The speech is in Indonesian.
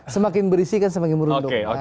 semakin berisi kan semakin merunduk